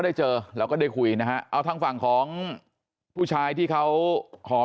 ได้เจอเราก็ได้คุยนะฮะเอาทางฝั่งของผู้ชายที่เขาหอบ